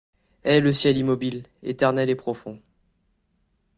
Est le ciel immobile, éternel et profond.